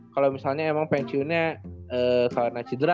kalo misalnya emang pensiunnya eee salah nacidra